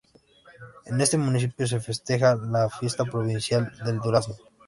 En este Municipio se festeja la Fiesta Provincial del Durazno.